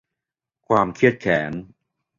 ความเคียดแค้น